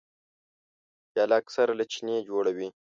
پیاله اکثره له چیني جوړه وي.